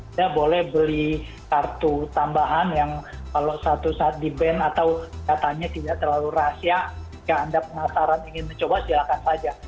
anda boleh beli kartu tambahan yang kalau satu saat di ban atau katanya tidak terlalu rahasia jika anda penasaran ingin mencoba silakan saja